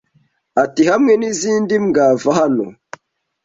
Ati Hamwe n'izindi mbwa va hano